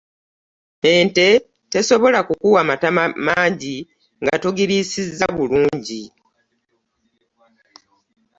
Ente tesobola kukuwa mata mangi nga togiriisizza bulungi.